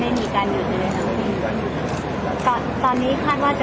แล้วก็จะกรรมรอดทั้งหมดแล้วก็จะกรรมรอดทั้งหมด